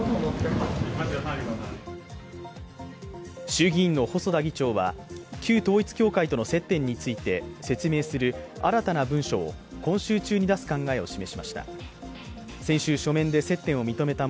衆議院の細田議長は旧統一教会との接点について説明する新たな文書を今週中に出す考えを示しました。